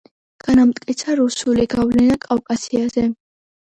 განამტკიცა რუსული გავლენა კავკასიაზე.